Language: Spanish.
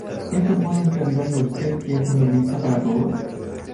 ¿ eso puede entenderlo usted que es muy lista para todo?